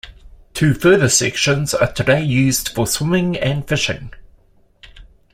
Two further sections are today used for swimming and fishing.